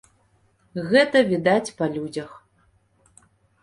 Гэта відаць па людзях.